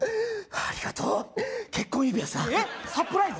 ありがとう結婚指輪さえっサプライズ？